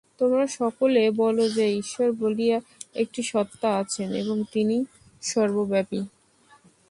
তোমরা সকলে বলো যে, ঈশ্বর বলিয়া একটি সত্তা আছেন এবং তিনি সর্বব্যাপী।